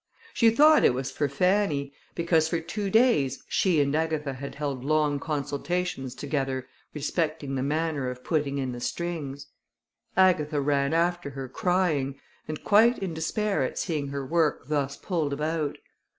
She thought it was for Fanny, because for two days she and Agatha had held long consultations together respecting the manner of putting in the strings. Agatha ran after her crying, and quite in despair at seeing her work thus pulled about.